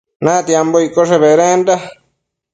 Natiambo iccoshe bedenda